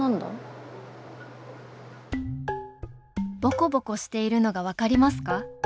ボコボコしているのが分かりますか？